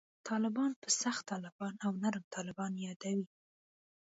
طالبان په «سخت طالبان» او «نرم طالبان» یادوي.